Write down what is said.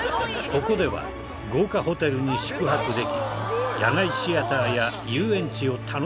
ここでは豪華ホテルに宿泊でき野外シアターや遊園地を楽しむ事も。